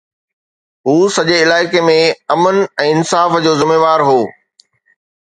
هو سڄي علائقي ۾ امن ۽ انصاف جو ذميوار هو.